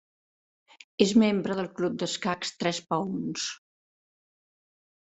És membre del Club Escacs Tres Peons.